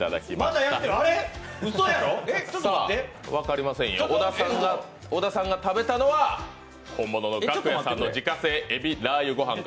うそやろ小田さんが食べたのは本物のがくやさんの自家製海老ラー油ご飯か